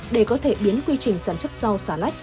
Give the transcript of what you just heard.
để có thể biến quy trình sản xuất rau xà lách